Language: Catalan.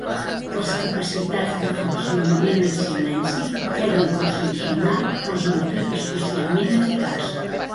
Les capacitats de funcionament en silenci feien que el seu sonar fos un equip especialment eficaç.